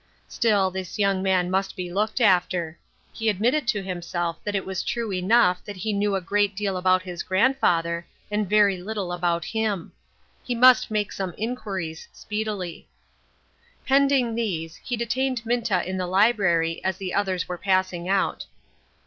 Still, this young man must be looked after ; he admitted to himself that it was true enough that he knew a great deal about his grandfather, and very little about him. He must make some in quiries speedily. Pending these, he detained Minta in the library as the others were passing out.